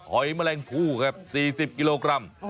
อยแมลงผู้ครับ๔๐กิโลกรัม